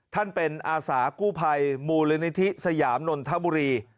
ท่านเป็นอาสากู้ภัยมูลนิธิสยามนนทบุรี